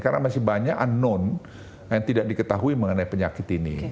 karena masih banyak unknown yang tidak diketahui mengenai penyakit ini